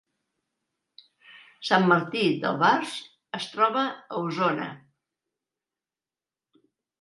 Sant Martí d’Albars es troba a Osona